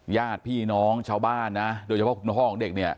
ญาติพี่น้องชาวบ้านนะโดยเฉพาะคุณพ่อของเด็กเนี่ย